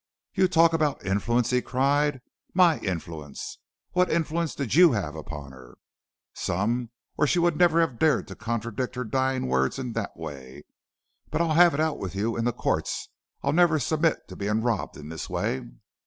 'You talk about influence,' he cried, 'my influence; what influence did you have upon her? Some, or she would never have dared to contradict her dying words in that way. But I'll have it out with you in the courts. I'll never submit to being robbed in this way.'